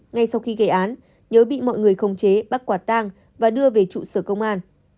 ngay sau khi gây án nhớ bị mọi người khống chế bắt quả tang và đưa về trụ sở công an